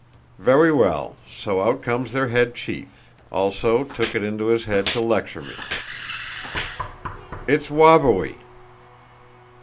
Vewy well, so out comes their head chief—also took it into his head to lecture me: 'It's wobbewy!